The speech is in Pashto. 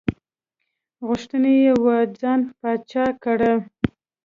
غوښتي یې وو ځان پاچا کړي.